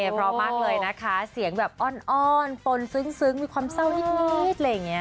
พร้อมมากเลยนะคะเสียงแบบอ้อนปนซึ้งมีความเศร้านิดอะไรอย่างนี้